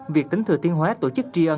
việc tính thừa tiên huế tổ chức tri ân